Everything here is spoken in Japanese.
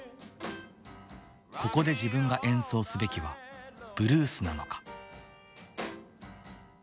ここで自分が演奏すべきはブルースなのか。